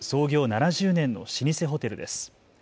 ７０年の老舗ホテルです。